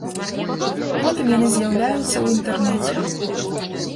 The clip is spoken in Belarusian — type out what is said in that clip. Потым яны з'яўляюцца ў інтэрнэце.